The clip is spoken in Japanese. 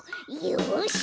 よし！